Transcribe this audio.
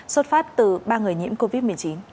xuất phát từ ba người nhiễm covid một mươi chín